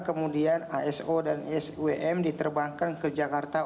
kemudian aso dan sum diterbangkan ke jakarta